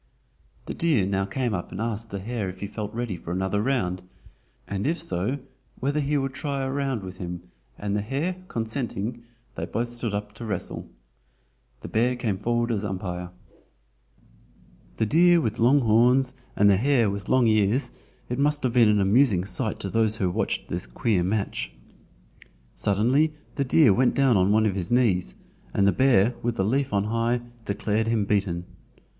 The deer now came up and asked the hare if he felt ready for another round, and if so whether he would try a round with him, and the hare consenting, they both stood up to wrestle. The bear came forward as umpire. The deer with long horns and the hare with long ears, it must have been an amusing sight to those who watched this queer match. Suddenly the deer went down on one of his knees, and the bear with the leaf on high declared him beaten.